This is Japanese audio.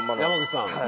山口さん？